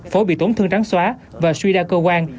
phối bị tổn thương rắn xóa và suy đa cơ quan